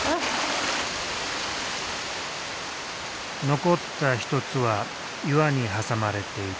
残った１つは岩に挟まれていた。